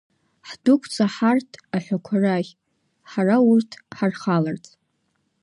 Ҳдәықәҵа ҳарҭ аҳәақәа рахь, ҳара урҭ ҳархаларц.